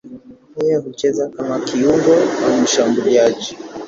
Yeye hucheza kama kiungo au mshambuliaji.